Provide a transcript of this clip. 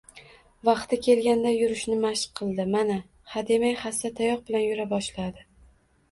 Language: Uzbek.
Vaqti kelganda yurishni mashq qildi, mana hademay hassa-tayoq bilan yura boshladi